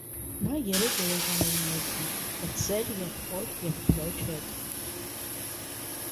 Նա երեք երեխաների մեծն է՝ կրտսեր եղբոր և քրոջ հետ։